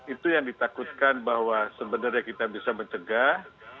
itu yang ditakutkan bahwa sebenarnya kita bisa mencegah